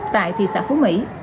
tại thị xã phú mỹ